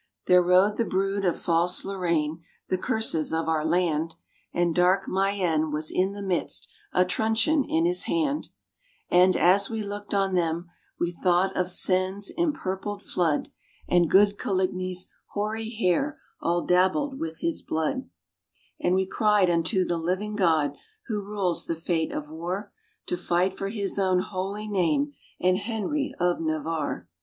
There rode the brood of false Lorraine, the curses of our land ; And dark Mayenne was in the midst, a truncheon in his hand ; And, as we looked on them, we thought of Seine's empurpled flood, And good Coligni's hoary hair all dabbled with his blood; RAINBOW GOLD And we cried unto the living God, who rules the fate of war, To fight for His own holy name, and Henry of Navarre.